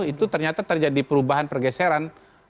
itu ternyata terjadi perubahan pergeseran